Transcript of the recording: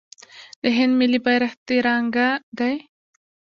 د هند ملي بیرغ تیرانګه دی.